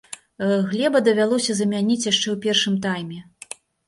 Глеба давялося замяніць яшчэ ў першым тайме.